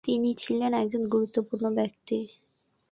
তিনি ছিলেন একজন গুরুত্বপূর্ণ ব্যক্তিত্ব ।